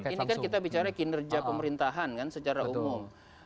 ini kan kita bicara kinerja pemerintahan kan secara umum